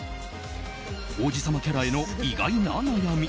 王子様キャラへの意外な悩み。